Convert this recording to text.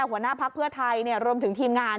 หัวหน้าพักเพื่อไทยรวมถึงทีมงาน